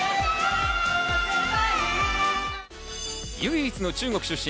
唯一の中国出身。